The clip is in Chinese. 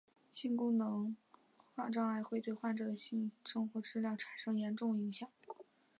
性功能障碍会对患者的性生活质量产生重大影响。